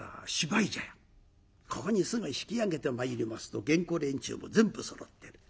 ここにすぐ引き揚げてまいりますと芸子連中も全部そろってる。